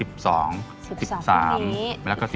๑๒พรุ่งนี้๑๓แล้วก็๑๗